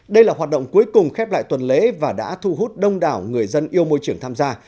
đây là hoạt động cuối cùng khép lại tuần lễ và đã thu hút đông đảo người dân yêu môi trường tham gia